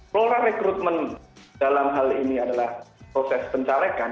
flora rekrutmen dalam hal ini adalah proses pencalekan